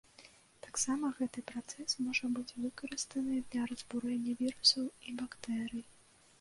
Таксама гэты працэс можа быць выкарыстаны для разбурэння вірусаў і бактэрый.